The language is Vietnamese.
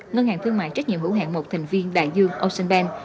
ngân hàng thương mại trách nhiệm hữu hạn một thành viên đại dương oceanbank